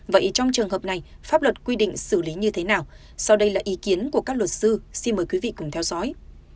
vậy trong trường hợp này pháp luật quy định xử lý như thế nào sau đây là ý kiến của các luật sư xin mời quý vị cùng theo dõi